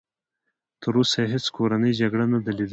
تر اوسه یې هېڅ کورنۍ جګړه نه ده لیدلې.